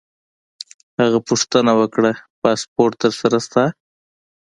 هغه پوښتنه وکړه: پاسپورټ در سره شته؟